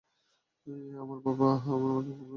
আমার বাবা আমার মাকে খুন করেছে।